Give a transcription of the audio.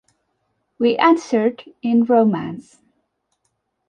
we answered in romance